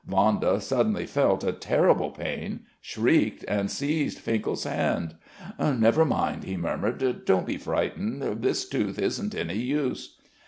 Vanda suddenly felt a terrible pain, shrieked and seized Finkel's hand.... "Never mind...." he murmured. "Don't be frightened.... This tooth isn't any use."